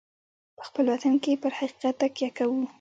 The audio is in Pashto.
په خپل وطن کې پر حقیقت تکیه کوو.